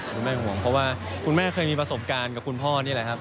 คุณแม่ห่วงเพราะว่าคุณแม่เคยมีประสบการณ์กับคุณพ่อนี่แหละครับ